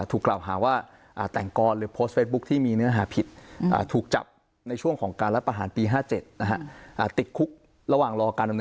ถูกกล่าวหาว่าแต่งกรหรือโพสต์เฟซบุ๊คที่มีเนื้อหาผิดถูกจับในช่วงของการรัฐประหารปี๕๗